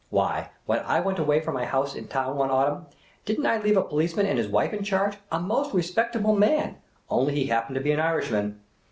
Why, when I went away from my house in town one autumn, did n't I leave a policeman and his wife in charge — a most respectable man — only he happened to be an Irishman